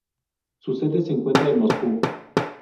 Su sede se encuentra en Moscú.